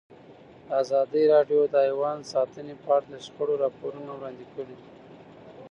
ازادي راډیو د حیوان ساتنه په اړه د شخړو راپورونه وړاندې کړي.